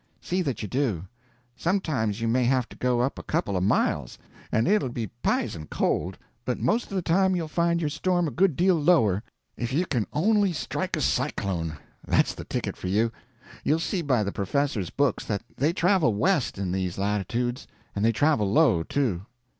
"See that you do. Sometimes you may have to go up a couple of miles, and it'll be p'ison cold, but most of the time you'll find your storm a good deal lower. If you can only strike a cyclone—that's the ticket for you! You'll see by the professor's books that they travel west in these latitudes; and they travel low, too."